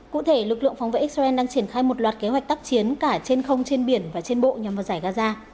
cụ thể lực lượng phóng vệ israel đang triển khai một loạt kế hoạch tác chiến cả trên không trên biển và trên bộ nhằm vào giải gaza